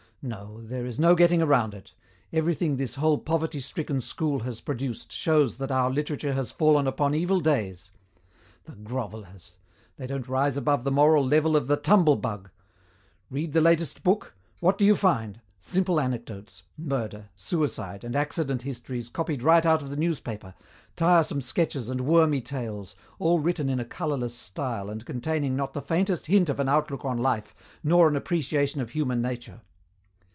No, there is no getting around it. Everything this whole poverty stricken school has produced shows that our literature has fallen upon evil days. The grovellers! They don't rise above the moral level of the tumblebug. Read the latest book. What do you find? Simple anecdotes: murder, suicide, and accident histories copied right out of the newspaper, tiresome sketches and wormy tales, all written in a colorless style and containing not the faintest hint of an outlook on life nor an appreciation of human nature.